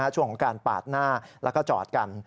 ช่วงของการปาดหน้าแล้วก็จอดกัน